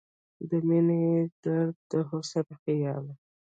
د مينې درده، د حسن خياله